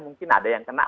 mungkin ada yang kena